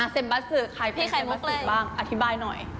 เซ็มบัสซึใครเป็นเซ็มบัสซึบ้างอธิบายหน่อย